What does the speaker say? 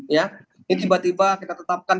ini tiba tiba kita tetapkan